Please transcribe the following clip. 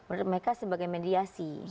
iya menurut mereka sebagai mediasi ya